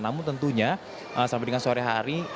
namun tentunya sampai dengan sore hari